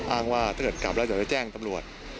อ้างว่าถ้าเกิดกลับแล้วเดี๋ยวจะแจ้งตำรวจ